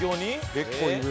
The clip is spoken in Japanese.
結構いる。